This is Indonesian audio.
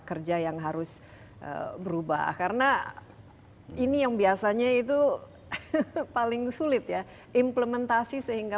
kerja yang harus berubah karena ini yang biasanya itu paling sulit ya implementasi sehingga